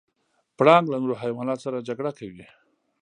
پړانګ له نورو حیواناتو سره جګړه کوي.